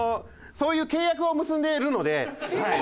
そういう契約を結んでるのではい。